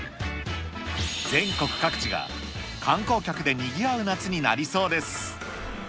全国各地が観光客でにぎわう夏になりそうです。